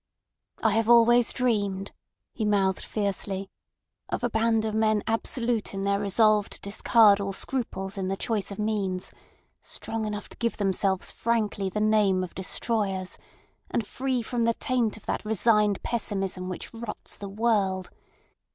"I have always dreamed," he mouthed fiercely, "of a band of men absolute in their resolve to discard all scruples in the choice of means, strong enough to give themselves frankly the name of destroyers, and free from the taint of that resigned pessimism which rots the world.